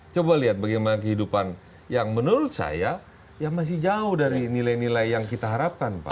coba lihat bagaimana kehidupan yang menurut saya ya masih jauh dari nilai nilai yang kita harapkan pak